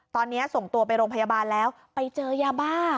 ตอนนี้ส่งตัวไปโรงพยาบาลแล้วไปเจอยาบ้า